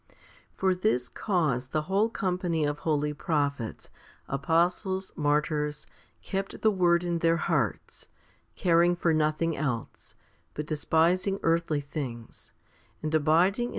2. For this cause the whole company of holy prophets, apostles, martyrs, kept the word in their hearts, caring for nothing else, but despising earthly things, and abiding in 1 Jas.